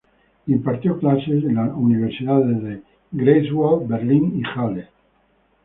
Impartió clases en las universidades de Greifswald, Berlín y Halle.